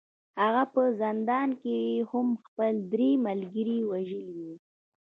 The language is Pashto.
هغه په زندان کې هم خپل درې ملګري وژلي وو